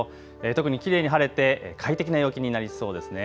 特にきれいに晴れて快適な陽気になりそうです。